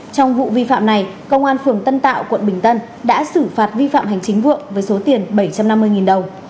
trong vụ vi phạm này công an phường tân tạo quận bình tân đã xử phạt vi phạm hành chính vượng với số tiền bảy trăm năm mươi đồng